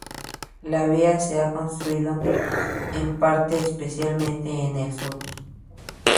La vía se ha construido en parte, especialmente en el sur.